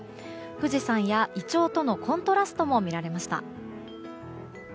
富士山やイチョウとのコントラストも見られました。